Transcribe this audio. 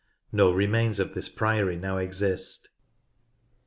No remains of this priory now exist.